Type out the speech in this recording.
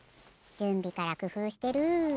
じゅんびからくふうしてる。